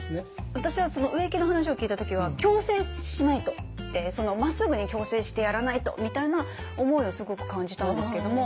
私はその植木の話を聞いた時は矯正しないとまっすぐに矯正してやらないとみたいな思いをすごく感じたんですけども。